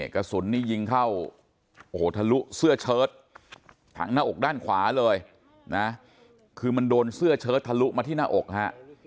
กระสุนนี่ยิงเข้าโอ้โหทะลุเสื้อเชิดถังหน้าอกด้านขวาเลยนะคือมันโดนเสื้อเชิดทะลุมาที่หน้าอกฮะ